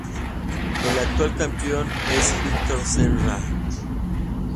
El actual campeón es Víctor Senra.